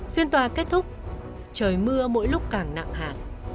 phiên tòa kết thúc trời mưa mỗi lúc càng nặng hạt